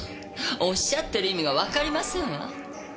おっしゃってる意味がわかりませんわ。